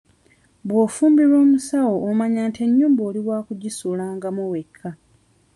Bw'ofumbirwa omusawo omanya nti ennyumba oli wakugisulangamu wekka.